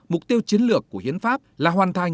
mục tiêu chiến lược của hiến pháp là hoàn thành